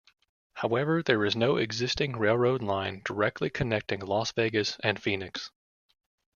However, there is no existing railroad line directly connecting Las Vegas and Phoenix.